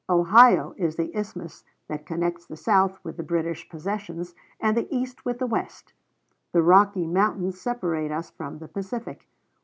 Ohio is the isthmus that connects the South with the British possessions, and the East with the West. The Rocky Mountains separate us from the Pacific.